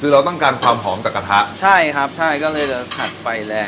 คือเราต้องการความหอมจากกระทะใช่ครับใช่ก็เลยจะผัดไฟแรง